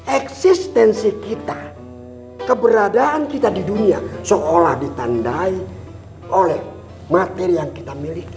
eksistensi kita keberadaan kita di dunia seolah ditandai oleh materi yang kita miliki